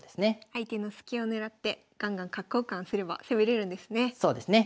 相手のスキを狙ってガンガン角交換すれば攻めれるんですね。